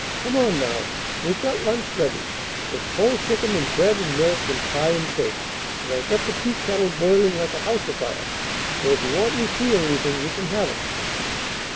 Come on now; we've got lunch ready. There's cold chicken and bread and milk and pie and cake, and I've got the teakettle boiling like a house afire, so if you want any tea or anything you can have it."